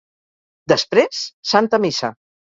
Després, Santa Missa.